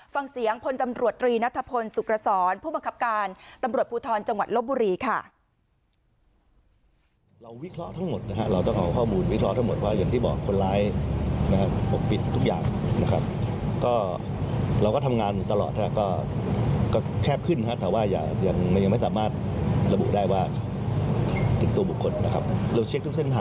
ฟังเสียงพลตำรวจตรีนัทพลสุขรสรผู้บังคับการตำรวจภูทรจังหวัดลบบุรีค่ะ